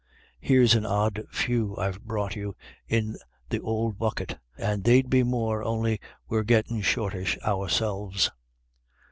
Here's an odd few I've brought you in th'ould bucket, and they'd be more, on'y we're gettin' shortish ourselves."